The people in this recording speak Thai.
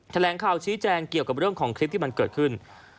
แถลงข่าวชี้แจงเกี่ยวกับเรื่องของคลิปที่มันเกิดขึ้น